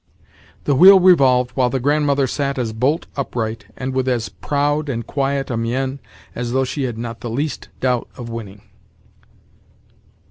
The wheel revolved while the Grandmother sat as bolt upright, and with as proud and quiet a mien, as though she had not the least doubt of winning.